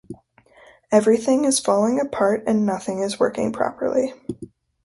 Everything is falling apart, and nothing is working properly.